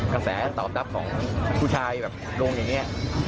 กระแสตอบรับของผู้ชายแบบลงอย่างนี้